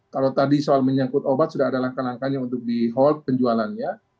kalau tadi soal menyangkut obat sudah ada langkah langkahnya untuk di hold penjualannya